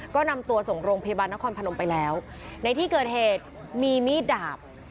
ก็นำตัวส่งโรงพยาบาลนครพนมไปแล้วในที่เกิดเหตุมีมีดดาบ